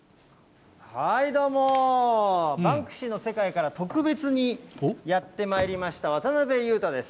どうも、バンクシーの世界から特別にやってまいりました、渡辺裕太です。